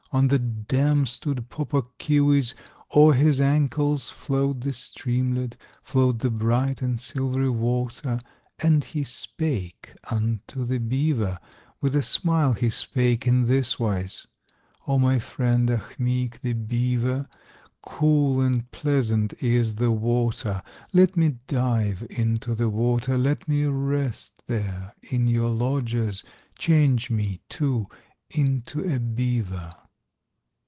On the dam stood Pau Puk Keewis, O'er his ankles flowed the streamlet, Flowed the bright and silvery water, And he spake unto the beaver, With a smile he spake in this wise: "O my friend Ahmeek, the beaver, Cool and pleasant is the water; Let me dive into the water, Let me rest there in your lodges; Change me, too, into a beaver!"